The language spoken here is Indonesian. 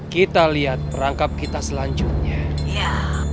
kita lihat perangkap kita selanjutnya